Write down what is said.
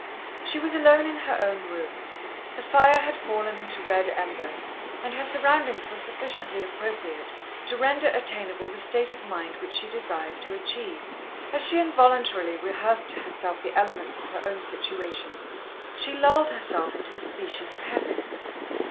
She was alone in her own room, the fire had fallen into red embers, and her surroundings were sufficiently appropriate to render attainable the state of mind which she desired to achieve. As she involuntarily rehearsed to herself the elements of her own situation, she lulled herself into a species of happiness.